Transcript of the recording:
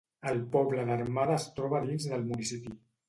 El poble d'Armada es troba dins del municipi.